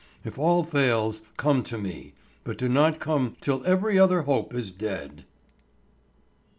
If all fails, come to me. But do not come till every other hope is dead."